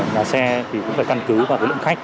nhà xe thì cũng phải căn cứ vào cái lượng khách